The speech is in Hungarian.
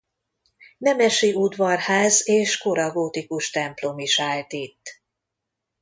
Nemesi udvarház és kora gótikus templom is állt itt.